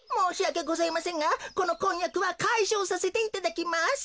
ございませんがこのこんやくはかいしょうさせていただきます。